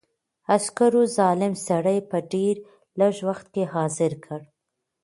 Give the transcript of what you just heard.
عسکرو ظالم سړی په ډېر لږ وخت کې حاضر کړ.